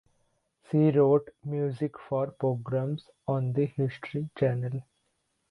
She wrote music for programs on the History Channel.